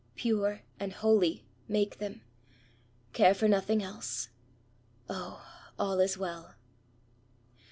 Pure and holy — ^make them. Care for nothing else! 0! all is well!"